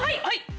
はい。